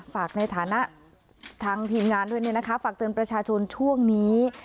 ฝากในฐานะทางทีมงานด้วยเนี่ยนะคะฝากเตือนประชาชนช่วงนี้